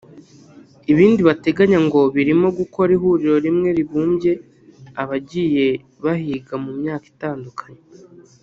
Ibindi bateganya ngo birimo gukora ihuriro rimwe ribumbye abagiye bahiga mu myaka itandukanye